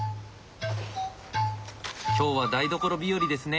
今日は台所日和ですね。